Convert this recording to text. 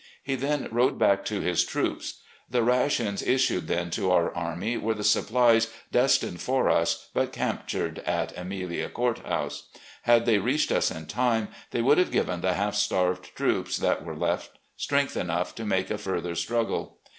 He then rode back to his troops. The rations issued then to our army were the supplies destined for us but captxired at Amelia Cotut House. Had they reached us in time, they would have given the half starved troops that were left strength enough to make a further struggle.